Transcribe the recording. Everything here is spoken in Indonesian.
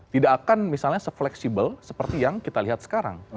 tidak akan misalnya se fleksibel seperti yang kita lihat sekarang